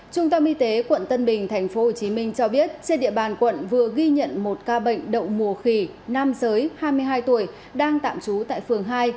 trung tâm y tế quận tân bình tp hcm cho biết trên địa bàn quận vừa ghi nhận một ca bệnh đậu mùa khỉ nam giới hai mươi hai tuổi đang tạm trú tại phường hai